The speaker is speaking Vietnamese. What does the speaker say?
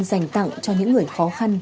dành tặng cho những người khó khăn